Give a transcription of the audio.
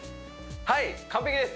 はい完璧です